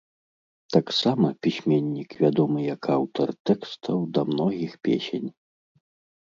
Таксама пісьменнік вядомы як аўтар тэкстаў да многіх песень.